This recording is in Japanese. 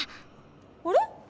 あれ？